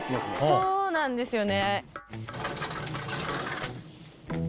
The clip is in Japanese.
そうなんですよ。